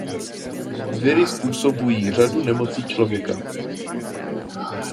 Viry způsobují řadu nemocí člověka.